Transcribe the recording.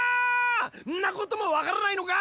んなことも分からないのか！